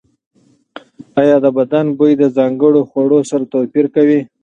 ایا د بدن بوی د ځانګړو خوړو سره توپیر کوي؟